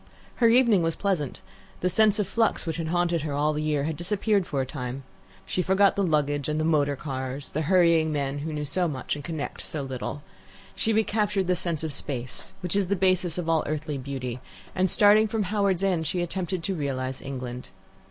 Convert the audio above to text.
Her evening was pleasant. The sense of flux which had haunted her all the year disappeared for a time. She forgot the luggage and the motor cars, and the hurrying men who know so much and connect so little. She recaptured the sense of space, which is the basis of all earthly beauty, and, starting from Howards End, she attempted to realize England.